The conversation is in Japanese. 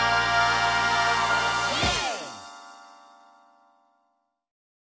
イエーイ！